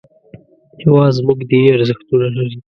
هېواد زموږ دیني ارزښتونه لري